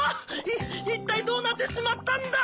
いったいどうなってしまったんだ